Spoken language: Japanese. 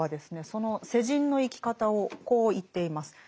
その世人の生き方をこう言っています。